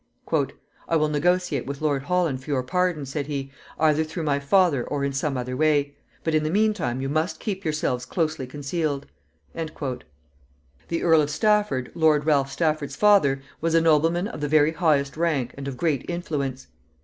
"I will negotiate with Lord Holland for your pardon," said he, "either through my father or in some other way. But, in the mean time, you must keep yourselves closely concealed." The Earl of Stafford, Lord Ralph Stafford's father, was a nobleman of the very highest rank, and of great influence.